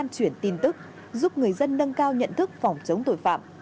chuyển tin tức giúp người dân nâng cao nhận thức phòng chống tội phạm